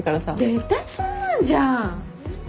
絶対そんなんじゃん！